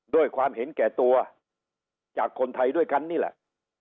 ด้วยความเห็นแก่ตัวจากคนไทยด้วยกันนี่แหละ